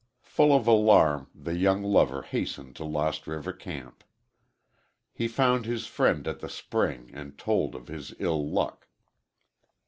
Full of alarm, the young lover hastened to Lost River camp. He found his friend at the spring and told of his ill luck.